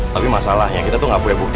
tapi masalahnya kita tuh nggak punya bukti